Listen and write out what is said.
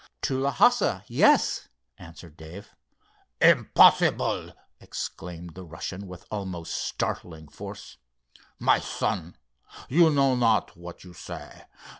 "To Lhassa, yes," answered Dave. "Impossible!" exclaimed the Russian, with almost startling force. "My son, you know not what you say.